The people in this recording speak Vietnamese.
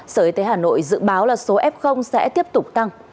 sở y tế hà nội dự báo là số f sẽ tiếp tục tăng